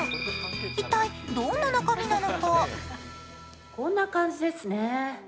一体、どんな中身なのか？